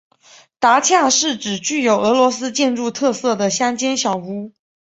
达恰是指具有俄罗斯建筑特色的乡间小屋。